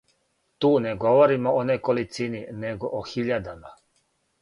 Ту не говоримо о неколицини, него о хиљадама.